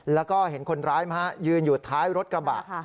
แล้วก็เห็นคนร้ายไหมฮะยืนอยู่ท้ายรถกระบะ